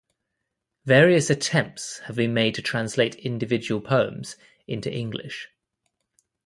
Various attempts have been made to translate individual poems into English.